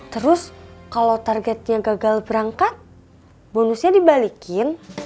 terus kalau targetnya gagal berangkat bonusnya dibalikin